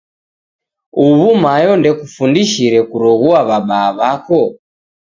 Uwu mayo ndekufundishire kuroghua wabaa wako?